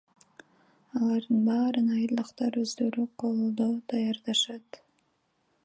Алардын баарын айылдыктар өздөрү колдо даярдашат.